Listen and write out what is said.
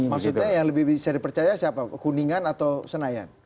maksudnya yang lebih bisa dipercaya siapa kuningan atau senayan